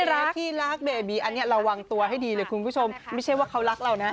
รักที่รักเบบีอันนี้ระวังตัวให้ดีเลยคุณผู้ชมไม่ใช่ว่าเขารักเรานะ